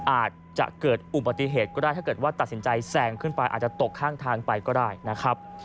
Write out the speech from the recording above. อาจจะเกิดอุบัติเหตุก็ได้ถ้าเกิดว่าตัดสินใจแซงขึ้นไปอาจจะตกข้างทางไปก็ได้นะครับ